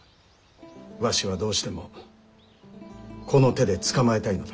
わしはどうしてもこの手で捕まえたいのだ。